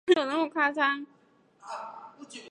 著名的印加古迹马丘比丘位于本大区。